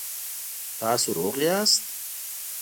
تاسو روغ یاست؟